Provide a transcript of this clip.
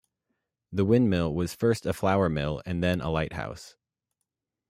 The windmill was first a flour mill, and then a lighthouse.